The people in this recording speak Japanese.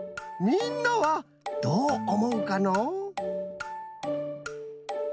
みんなはどうおもうかのう？